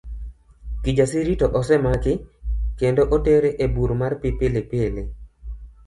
Kijasiri to osemaki kendo otere e bur mar pi Pilipili.